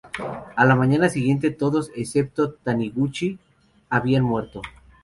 A la mañana siguiente todos, excepto Taniguchi, habían muerto.